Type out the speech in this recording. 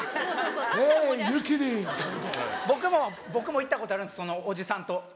僕も行ったことあるんですそのおじさんと。